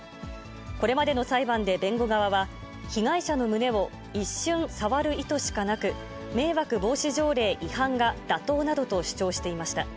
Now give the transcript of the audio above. これまでの裁判で弁護側は、被害者の胸を一瞬触る意図しかなく、迷惑防止条例違反が妥当などと主張していました。